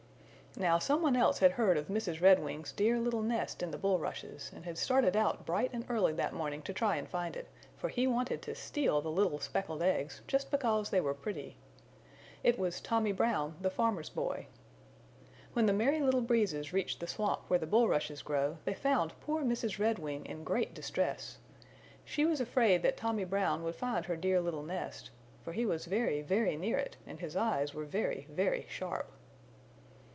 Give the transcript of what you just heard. Now someone else had heard of Mrs. Redwing's dear little nest in the bulrushes, and he had started out bright and early that morning to try and find it, for he wanted to steal the little speckled eggs just because they were pretty. It was Tommy Brown, the farmer's boy. When the Merry Little Breezes reached the swamp where the bulrushes grow they found poor Mrs. Redwing in great distress. She was afraid that Tommy Brown would find her dear little nest, for he was very, very near it, and his eyes were very, very sharp.